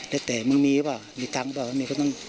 เลือกสาม